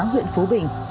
huyện phú bình